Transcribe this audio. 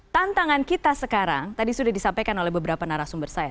tantangan kita sekarang tadi sudah disampaikan oleh beberapa narasumber saya